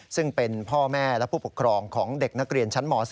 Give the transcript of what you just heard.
ซึ่งเป็นพ่อแม่และผู้ปกครองของเด็กนักเรียนชั้นม๓